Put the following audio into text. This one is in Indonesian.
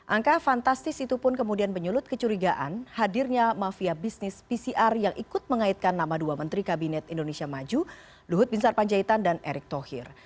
angka fantastis itu pun kemudian menyulut kecurigaan hadirnya mafia bisnis pcr yang ikut mengaitkan nama dua menteri kabinet indonesia maju luhut bin sarpanjaitan dan erick thohir